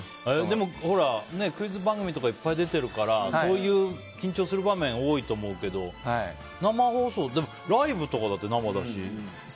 でもほら、クイズ番組とかいっぱい出てるからそういう緊張する場面が多いと思うけど生放送ライブとかだって生だし。